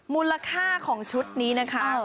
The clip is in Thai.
มูลค่าของชุดนี้นะคะ